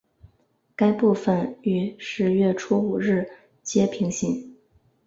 该部份与十月初五日街平行。